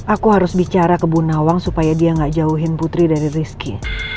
aku harus bicara ke bu nawang supaya dia gak jauhin putri dari rizky